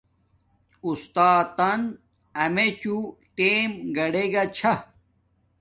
اُستاتن امیچو ٹیم گاڈگا چھا